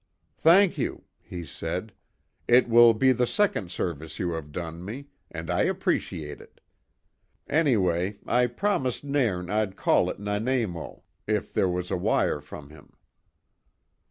"Thank you," he said. "It will be the second service you have done me, and I appreciate it. Anyway, I promised Nairn I'd call at Nanaimo, in there was a wire from him."